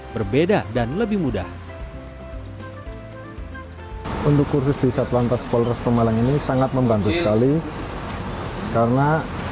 berbeda dan lebih mudah untuk kursus di satu lantas polres pemalang ini sangat membantu sekali karena